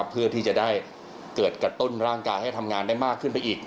เพื่อที่จะได้เกิดกระตุ้นร่างกายให้ทำงานได้มากขึ้นไปอีก